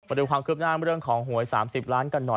ดูความคืบหน้าเรื่องของหวย๓๐ล้านกันหน่อย